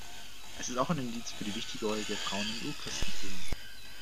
Es ist auch ein Indiz für die wichtige Rolle der Frauen im Urchristentum.